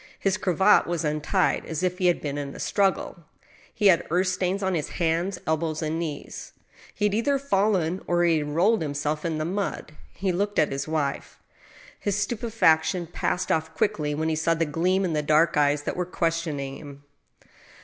His cravat was untied, as if he had been in a struggle. He had earth stains oii his hands, dbows, and knees. He had either fallen or he had rolled himself in the mud. He looked at his wife. His stupefaction passed off quickly when he saw the gleam in the dark eyes that were ques tioning him.